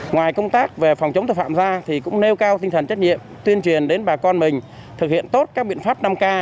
ngoài công tác về phòng chống tội phạm ra thì cũng nêu cao tinh thần trách nhiệm tuyên truyền đến bà con mình thực hiện tốt các biện pháp năm k